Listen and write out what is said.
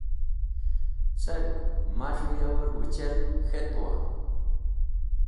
Cerg mazhẽ yavẽr wẽchel k̃hetuwa?